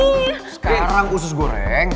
sekarang usus goreng